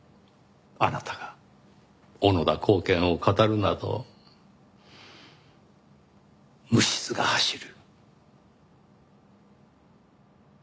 あなたが小野田公顕を語るなどむしずが走る。